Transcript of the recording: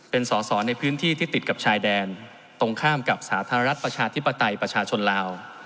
เป็นสอสอในพื้นที่ที่ติดกับชายแดนตรงข้ามกับสาธารณรัฐประชาธิปไตยประชาชนลาว